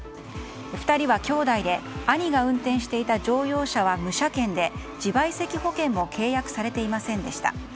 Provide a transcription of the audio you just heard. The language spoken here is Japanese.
２人は兄弟で、兄が運転していた乗用車は無車検で自賠責保険も契約されていませんでした。